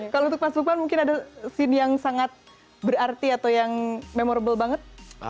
kalau untuk mas lukman mungkin ada scene yang sangat berarti atau yang memorable banget